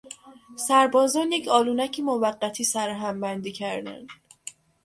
سربازان یک آلونک موقتی سرهم بندی کردند.